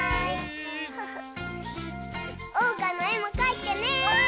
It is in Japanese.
おうかのえもかいてね！